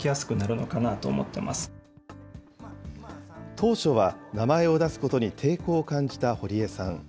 当初は名前を出すことに抵抗を感じた堀江さん。